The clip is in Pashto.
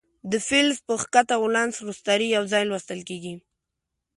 د فلز په ښکته ولانس روستاړي یو ځای لوستل کیږي.